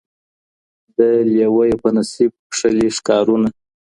د لېوه یې په نصیب کښلي ښکارونه